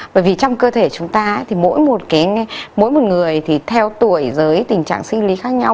bởi vì trong cơ thể chúng ta thì mỗi một người theo tuổi tình trạng sinh lý khác nhau